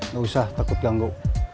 gak usah takut ganggu